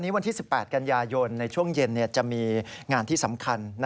วันที่๑๘กันยายนในช่วงเย็นจะมีงานที่สำคัญ